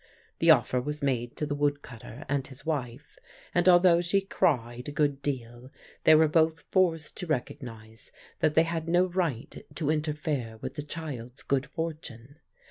The offer was made to the woodcutter and his wife, and although she cried a good deal they were both forced to recognise that they had no right to interfere with the child's good fortune.